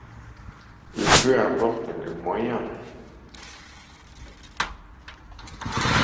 Et peu importe les moyens.